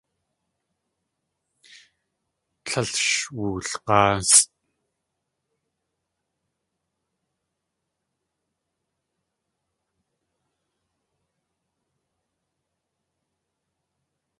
Tlél sh wulg̲áasʼ.